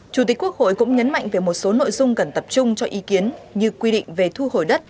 chủ tịch quốc hội cũng nhấn mạnh về một số nội dung cần tập trung cho ý kiến như quy định về thu hồi đất